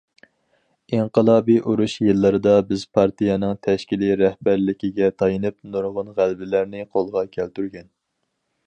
ئىنقىلابىي ئۇرۇش يىللىرىدا بىز پارتىيەنىڭ تەشكىلىي رەھبەرلىكىگە تايىنىپ نۇرغۇن غەلىبىلەرنى قولغا كەلتۈرگەن.